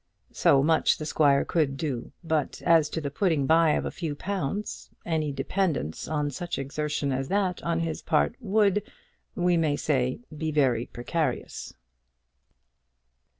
So much the squire could do; but as to the putting by of the few pounds, any dependence on such exertion as that on his part would, we may say, be very precarious.